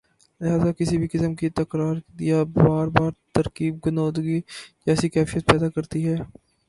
لہذا کسی بھی قسم کی تکرار یا بار بار ترغیب غنودگی جیسی کیفیت پیدا کرتی ہے